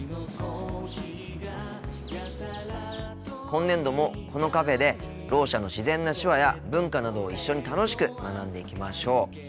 今年度もこのカフェでろう者の自然な手話や文化などを一緒に楽しく学んでいきましょう。